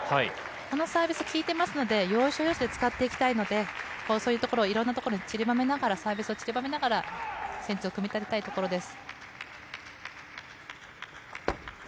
このサービス、効いてますので、要所要所で使っていきたいので、そういうところを、いろんなところにちりばめながら、サービスをちりばめながら、戦術を組み立てたいところです。